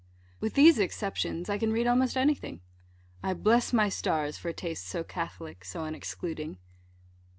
With these exceptions, I can read almost any thing. I bless my stars for a taste so catholic, so unexcluding.